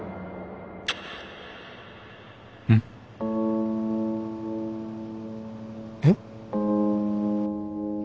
うん？えっ？